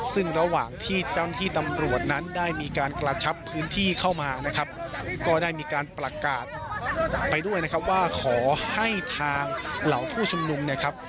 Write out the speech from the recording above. ซึ่งระหว่างที่เจ้าหน้าที่ตำรวจนั้นได้มีการกระชับพื้นที่เข้ามานะครับก็ได้มีการประกาศไปด้วยนะครับว่าขอให้ทางเหล่าผู้ชุมนุมเนี่ยครับ